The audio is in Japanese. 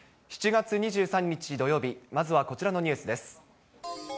７月２３日土曜日、まずはこちらのニュースです。